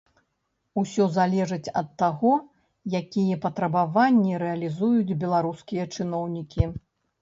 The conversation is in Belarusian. Усё залежыць ад таго, якія патрабаванні рэалізуюць беларускія чыноўнікі.